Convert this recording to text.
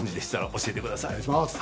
お願いします。